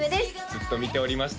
ずっと見ておりました